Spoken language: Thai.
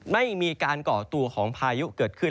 ไม่มีการก่อตัวของพายุเกิดขึ้น